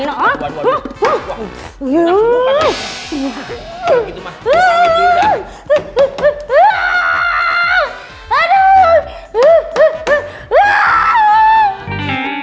gitu mah lu samit diri